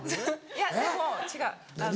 いやでも違うあの。